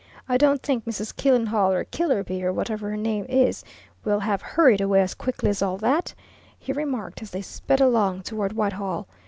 "I don't think Mrs. Killenhall, or Killerby, or whatever her name is, will have hurried away as quickly as all that," he remarked as they sped along toward Whitehall.